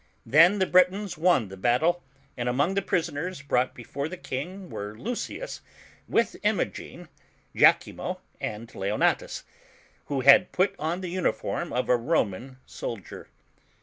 Then the Britons won the battle, and among the prisoners brought before the King were Lucius, with Imogen, lachimo, and Leonatus, who had put on the imiform of a Roman soldier.